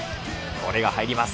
これが入ります。